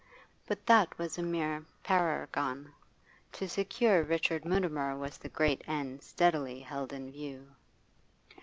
But that was a mere parergon; to secure Richard Mutimer was the great end steadily held in view.